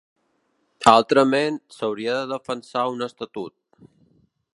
Altrament, s'hauria de defensar un estatut.